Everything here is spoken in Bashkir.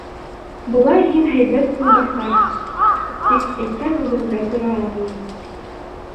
Былай һин һәйбәт юлбаҫарһың, тик әйткән һүҙеңдә тора алманың.